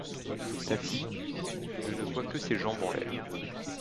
Ta fille, je ne vois que ses jambes en l’air…